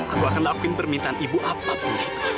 aku akan lakukan permintaan ibu apapun itu